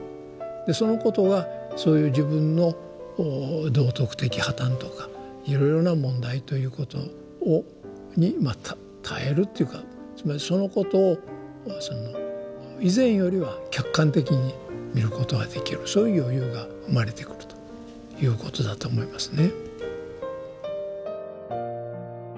でそのことはそういう自分の道徳的破綻とかいろいろな問題ということに耐えるっていうかつまりそのことを以前よりは客観的に見ることができるそういう余裕が生まれてくるということだと思いますね。